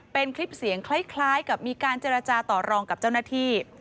เป็นคลิปเสียงคล้ายกับมีการเจรจาต่อรองกับเจ้าหน้าที่